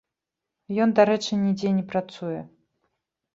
Ён, дарэчы, нідзе не працуе.